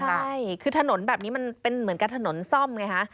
ใช่คือถนนแบบนี้มันเป็นเหมือนกับถนนซ่อมไงคะ